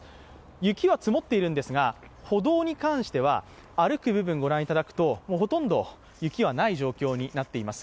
雪は積もっているんですが、歩道に関しては歩く部分ご覧いただくとほとんど雪はない状況になっています。